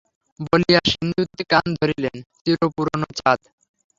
– বলিয়া সিন্ধুতে গান ধরিলেন– চির-পুরানো চাঁদ!